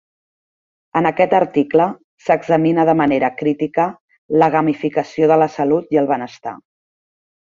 En aquest article, s’examina de manera crítica la gamificació de la salut i el benestar.